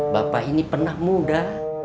bapak ini pernah muda